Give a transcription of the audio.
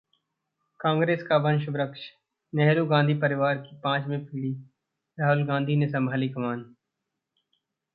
कांग्रेस का वंशवृक्ष: नेहरू-गांधी परिवार की पांचवीं पीढ़ी राहुल गांधी ने संभाली कमान